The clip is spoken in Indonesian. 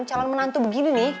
calon menantu begini nih